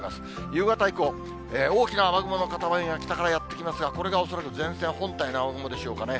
夕方以降、大きな雨雲の固まりが北からやって来ますが、これが恐らく前線本体の雨雲でしょうかね。